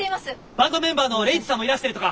バンドメンバーのレイジさんもいらしてるとか。